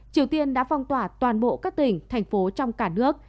triều tiên đã phong tỏa toàn bộ các tỉnh thành phố trong cả nước